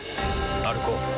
歩こう。